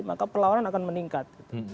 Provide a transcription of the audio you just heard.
maka perlawanan akan meningkat